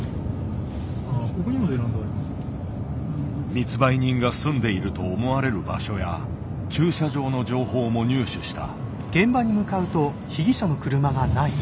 密売人が住んでいると思われる場所や駐車場の情報も入手した。